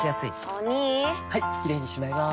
お兄はいキレイにしまいます！